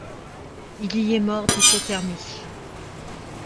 Il y est mort d'hypothermie.